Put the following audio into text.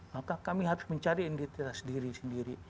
maka kami harus mencari identitas diri sendiri